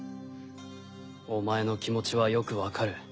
お前の気持ちはよくわかる。